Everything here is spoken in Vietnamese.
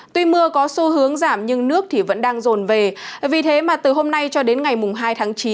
tuy mưa có xu hướng giảm nhưng nước thì vẫn đang rồn về vì thế mà từ hôm nay cho đến ngày hai tháng chín